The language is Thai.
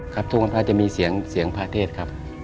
ทุกวันพระจะมีเสียงพระเทศครับ